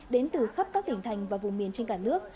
đến từ khắp các tỉnh thành và vùng miền trên cả nước